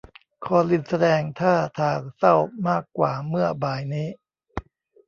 คอลินแสดงท่าทางเศร้ามากกว่าเมื่อบ่ายนี้